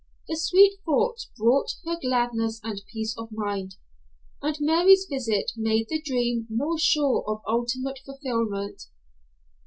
The sweet thoughts brought her gladness and peace of mind, and Mary's visit made the dream more sure of ultimate fulfillment.